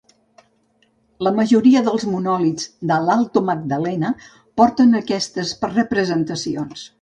La majoria dels monòlits de l'Alto Magdalena porten aquestes representacions.